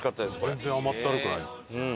全然甘ったるくない。